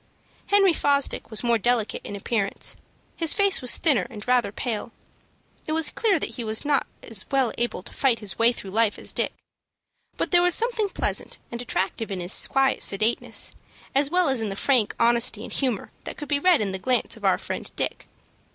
Henry Fosdick was more delicate in appearance; his face was thinner, and rather pale. It was clear that he was not as well able to fight his way through life as Dick. But there was something pleasant and attractive in his quiet sedateness, as well as in the frank honesty and humor that could be read in the glance of our friend Dick.